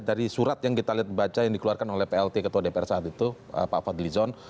dari surat yang kita lihat baca yang dikeluarkan oleh plt ketua dpr saat itu pak fadlizon